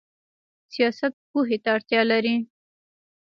سیاست پوهې ته اړتیا لري